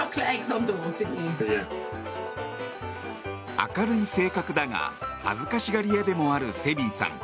明るい性格だが恥ずかしがり屋でもあるセビーさん。